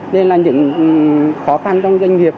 nên là những khó khăn trong doanh nghiệp